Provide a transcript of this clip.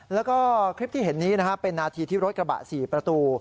แล้วก็คลิปที่เห็นนี้นะครับเป็นนาทีที่รถกระบะ๔ประตู